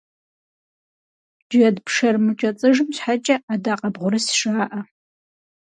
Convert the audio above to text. Джэд пшэр мыкӏэцыжым щхьэкӏэ адакъэбгъурыс жаӏэ.